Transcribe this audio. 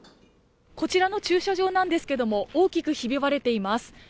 こちらの駐車場なんですけれども、大きくひび割れています。